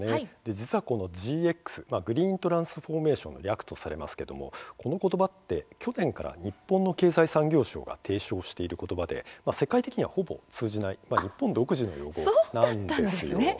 実はこれ、ＧＸグリーントランスフォーメーションの略とされますがこの言葉、去年から日本の経済産業省が提唱している言葉で世界的には、ほぼ通じない日本独自の言葉なんです。